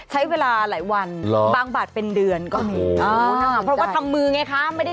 ใช้เวลาหลายวันบางบาทเป็นเดือนก็มี